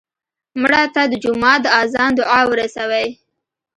مړه ته د جومات د اذان دعا ورسوې